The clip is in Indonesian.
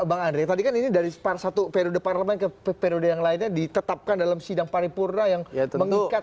bang andre tadi kan ini dari satu periode parlemen ke periode yang lainnya ditetapkan dalam sidang paripurna yang mengikat